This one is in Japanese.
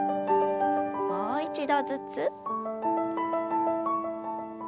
もう一度ずつ。